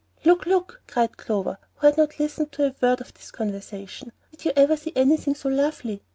"Look, look!" cried Clover, who had not listened to a word of this conversation; "did you ever see anything so lovely?"